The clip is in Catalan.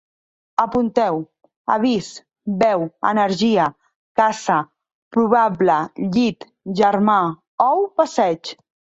Apunteu: avís, veu, energia, caça, probable, llit, germà, ou, passeig